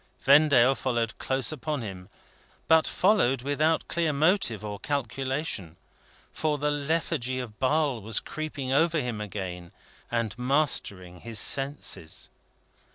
Vendale followed close upon him, but followed without clear motive or calculation. For the lethargy of Basle was creeping over him again, and mastering his senses.